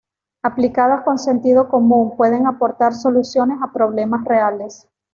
Aplicadas con sentido común, pueden aportar soluciones a problemas reales.